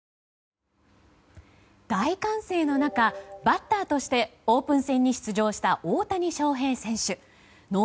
大歓声の中バッターとしてオープン戦に出場した大谷翔平選手。